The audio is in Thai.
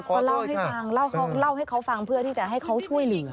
ก็เล่าให้ฟังเพื่อที่จะให้เขาช่วยเหลือง